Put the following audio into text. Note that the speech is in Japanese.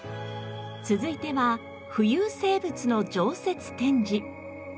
続いては浮遊生物の常設展示。